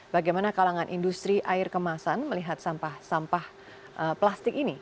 bagaimana kalangan industri air kemasan melihat sampah sampah plastik ini